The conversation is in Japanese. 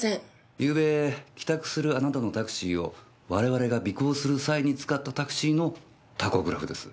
ゆうべ帰宅するあなたのタクシーを我々が尾行する際に使ったタクシーのタコグラフです。